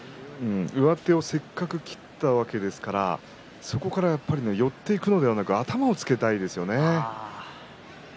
上手をせっかく切ったわけですからそこから寄っていくのではなく頭をつけたいですよね。